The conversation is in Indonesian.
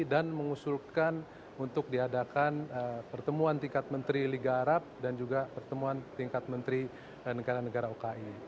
dan mengusulkan untuk diadakan pertemuan tingkat menteri liga arab dan juga pertemuan tingkat menteri negara negara oki